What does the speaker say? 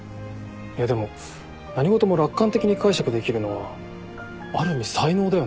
いやでも何事も楽観的に解釈できるのはある意味才能だよな。